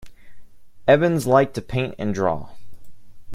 Evans liked to paint and draw.